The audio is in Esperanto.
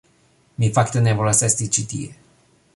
Mi fakte ne volas esti ĉi tie.